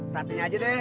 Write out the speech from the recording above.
satunya aja deh